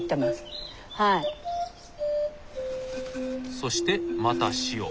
そしてまた塩。